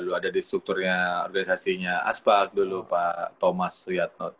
dulu ada di strukturnya organisasinya aspa dulu pak thomas riatno tuh